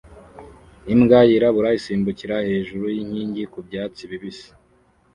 Imbwa yirabura isimbukira hejuru yinkingi ku byatsi bibisi